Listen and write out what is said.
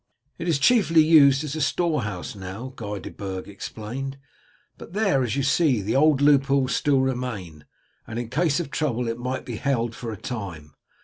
"It is chiefly used as a storehouse now," Guy De Burg explained; "but there, as you see, the old loopholes still remain, and in case of trouble it might be held for a time.